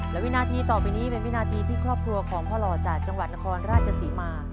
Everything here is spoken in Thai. และวินาทีต่อไปนี้เป็นวินาทีที่ครอบครัวของพ่อหล่อจากจังหวัดนครราชศรีมา